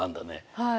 はい。